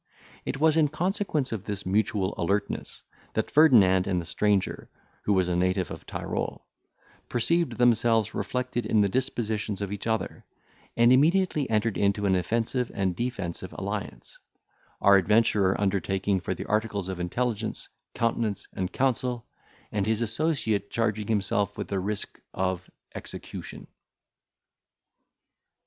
It was in consequence of this mutual alertness, that Ferdinand and the stranger, who was a native of Tyrol, perceived themselves reflected in the dispositions of each other, and immediately entered into an offensive and defensive alliance; our adventurer undertaking for the articles of intelligence, countenance, and counsel, and his associate charging himself with the risk of execution.